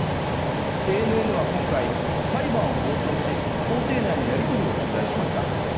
ＡＮＮは今回、裁判を傍聴し法廷内のやり取りを取材しました。